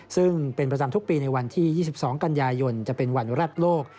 ซึ่งเป็นประจำทุกปีในวันที่๒๒กันยายนจะเป็นวันแรกโลก